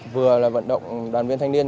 vừa là vận động đoàn viên thanh niên